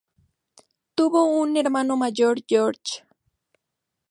Tuvo un hermano mayor, George.